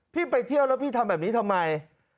ไปเที่ยวแล้วพี่ทำแบบนี้ทำไม